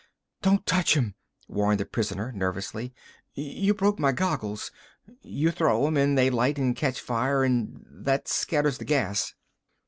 "Don't touch 'em," warned the prisoner nervously. "You broke my goggles. You throw 'em, and they light and catch fire, and that scatters the gas."